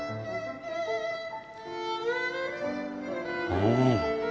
うん！